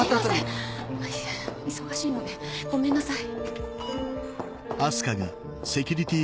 忙しいのでごめんなさい。